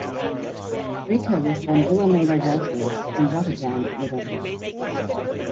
Brico was born Wilhelmina Wolthius in Rotterdam, Netherlands.